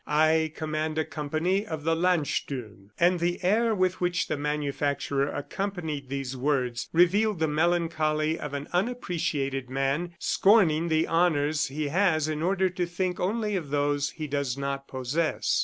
I command a company of the Landsturm." And the air with which the manufacturer accompanied these words, revealed the melancholy of an unappreciated man scorning the honors he has in order to think only of those he does not possess.